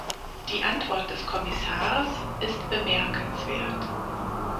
Die Antwort des Kommissars ist bemerkenswert.